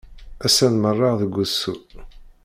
Ass-a nmerreɣ deg usu.